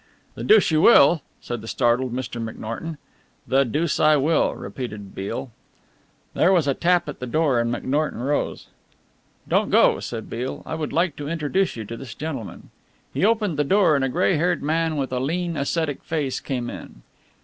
"The deuce you will?" said the startled Mr. McNorton. "The deuce I will," repeated Beale. There was a tap at the door and McNorton rose. "Don't go," said Beale, "I would like to introduce you to this gentleman." He opened the door and a grey haired man with a lean, ascetic face came in.